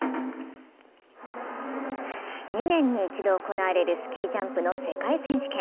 ２年に一度行われるスキージャンプの世界選手権。